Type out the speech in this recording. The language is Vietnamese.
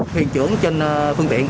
thuyền trưởng trên phương tiện